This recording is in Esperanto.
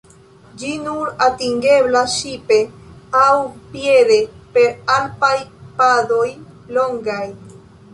Ĝi nur atingeblas ŝipe aŭ piede per alpaj padoj longaj.